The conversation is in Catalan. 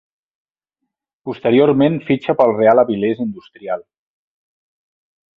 Posteriorment fitxa pel Real Avilés Industrial.